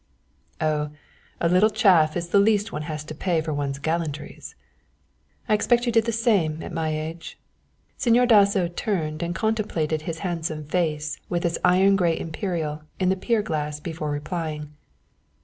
"Oh, a little chaff is the least one has to pay for one's gallantries." "I expect you did the same, at my age." Señor Dasso turned and contemplated his handsome face with its iron grey imperial in the pier glass before replying.